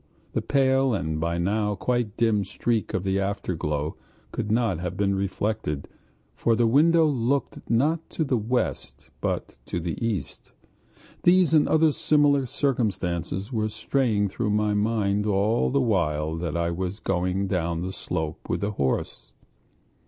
The pale and, by now, quite dim streak of the afterglow could not have been reflected, for the window looked not to the west, but to the east. These and other similar considerations were straying through my mind all the while that I was going down the slope with the horse.